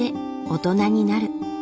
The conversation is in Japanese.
大人になる。